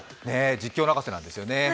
実況泣かせなんですよね。